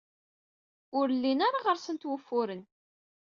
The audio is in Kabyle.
Ur llin ara ɣer-sent wufuren.